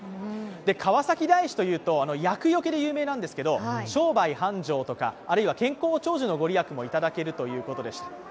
川崎大師というと厄よけで有名なんですけど、商売繁盛、あるいは健康長寿のご利益もいただけるということでした。